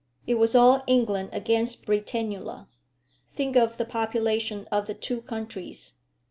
It was all England against Britannula! Think of the population of the two countries.